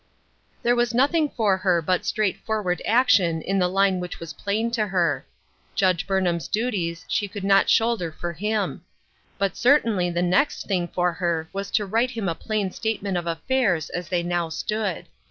There was nothing for her but straightforward action in the line which was plain to her. Judge Burnham's duties she could not shoulder for him. But certainly the next thing for her was to write him a plain statement of affairs as they now stood.